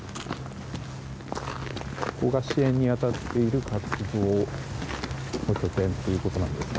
ここが支援に当たっている活動の拠点ということなんですが。